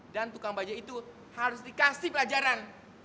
dan tukang bajaj itu harus dikasih pelajaran